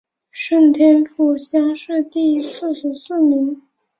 顺天府乡试第四十四名。